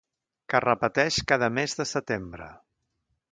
Que es repeteix cada mes de setembre.